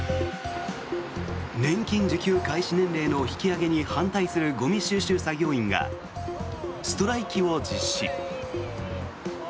年金受給開始年齢の引き上げに反対するゴミ収集作業員がストライキを実施。